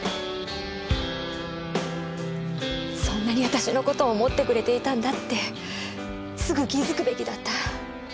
そんなに私の事を思ってくれていたんだってすぐ気づくべきだった。